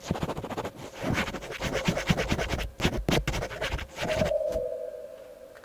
Vivian is part of the Shreveport-Bossier City Metropolitan Statistical Area.